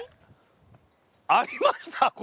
ありましたこれ。